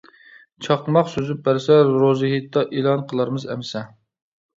چاقماق سۈزۈپ بەرسە روزى ھېيتتا ئېلان قىلارمىز ئەمىسە.